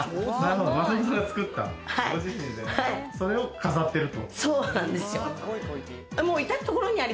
松本さんが作ったそれを飾っていると。